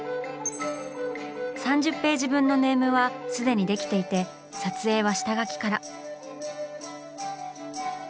３０ページ分のネームは既にできていて撮影は下描きから。